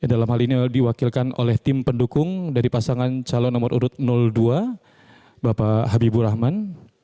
dalam hal ini diwakilkan oleh tim pendukung dari pasangan calon nomor urut dua bapak habibur rahman